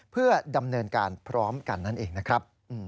เพื่อดำเนินการพร้อมกันนั่นเองนะครับ